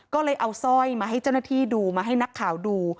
ก็เลยเอาสร้อยมาให้เจ้าหน้าที่ดูมาให้นักข่าวดู